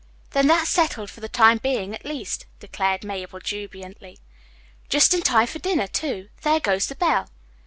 "Then that's settled for the time being at least," declared Mabel jubilantly. "Just in time for dinner, too. There goes the bell."